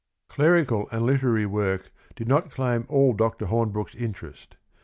Clerical and literary work did not claim all Dr. Hornbrooke's interest.